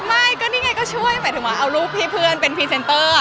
ไม่ก็นี่ไงก็ช่วยหมายถึงว่าเอารูปพี่เพื่อนเป็นพรีเซนเตอร์